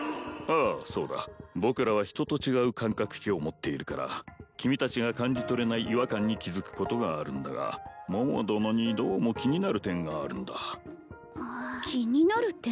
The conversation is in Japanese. ああそうだ僕らは人と違う感覚器を持っているから君達が感じ取れない違和感に気づくことがあるんだが桃殿にどうも気になる点があるんだ気になる点？